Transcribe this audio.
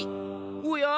おや！